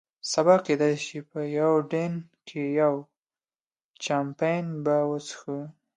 سبا کېدای شي په یوډین کې یو، چامپېن به وڅښو.